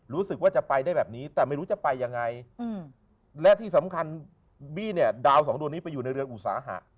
รู้สึกว่าจะไปได้แบบนี้แต่ไม่รู้จะไปยังไงและที่สำคัญบี้เนี่ยดาวสองดวงนี้ไปอยู่ในเรือนอุตสาหะ